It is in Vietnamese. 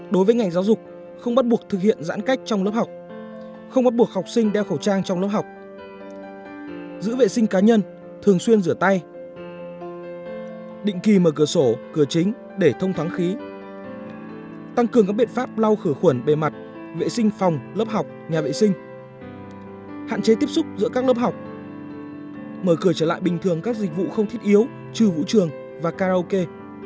đối với ngành giáo dục không bắt buộc thực hiện giãn cách trong lớp học không bắt buộc học sinh đeo khẩu trang trong lớp học giữ vệ sinh cá nhân thường xuyên rửa tay định kỳ mở cửa sổ cửa chính để thông thoáng khí tăng cường các biện pháp lau khử khuẩn bề mặt vệ sinh phòng lớp học nhà vệ sinh hạn chế tiếp xúc giữa các lớp học mở cửa trở lại bình thường các dịch vụ không thiết yếu trừ vũ trường và karaoke